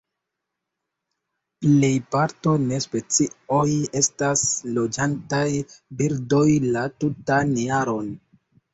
Plej parto de specioj estas loĝantaj birdoj la tutan jaron.